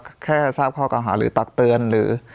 ไปทราบแค่ทราบครอปกราหม์หาหรือตักเตือนหรือ